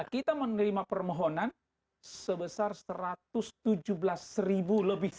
kita menerima permohonan sebesar satu ratus tujuh belas ribu lebih